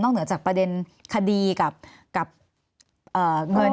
เหนือจากประเด็นคดีกับเงิน